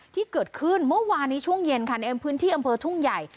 ที่เกิดขึ้นเมื่อวานนี้ช่วงเย็นค่ะในพื้นที่อำเภอทุ่งใหญ่